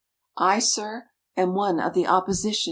"I, Sir, am one of the opposition!"